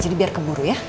jadi biar keburu ya